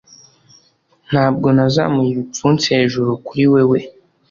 Ntabwo nazamuye ibipfunsi hejuru kuri wewe